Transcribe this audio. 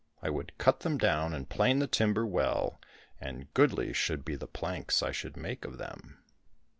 I would cut them down and plane the timber well, and goodly should be the planks I should make of them."